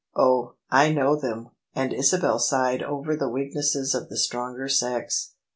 Oh ! I know them." And Isabel sighed over the weaknesses of the stronger sex.